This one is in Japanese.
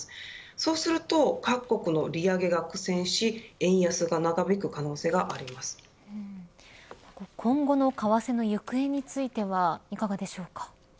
そうすると各国の利上げが苦戦し今後の為替の行方についてはいかがでしょうか。